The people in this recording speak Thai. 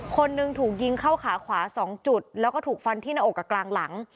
คนหนึ่งถูกยิงเข้าขาขวา๒จุดแล้วก็ถูกฟันที่หน้าอกกับกลางหลัง